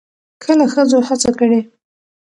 کله ښځو هڅه کړې